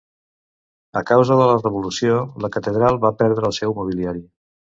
A causa de la Revolució, la catedral va perdre el seu mobiliari.